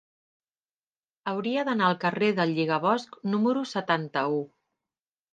Hauria d'anar al carrer del Lligabosc número setanta-u.